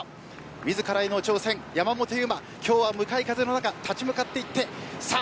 自らへの挑戦、山本、今日は向かい風の中立ち向かっていってさあ